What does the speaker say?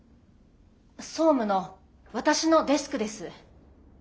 総務の私のデスクです。